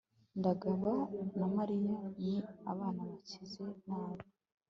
ndabaga na mariya ni abana bakize nabi